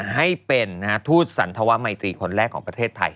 ให้เป็นทูตสันธวมัยตรีคนแรกของประเทศไทย